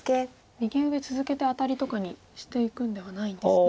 右上続けてアタリとかにしていくんではないんですね。